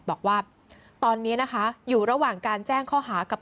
บอกว่าตอนนี้นะคะอยู่ระหว่างการแจ้งข้อหากับ